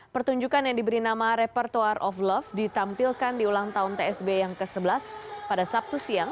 pertunjukan yang diberi nama repertore of love ditampilkan di ulang tahun tsb yang ke sebelas pada sabtu siang